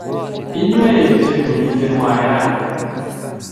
inywei ochei komiten wian